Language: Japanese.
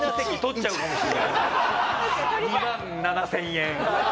２万７０００円。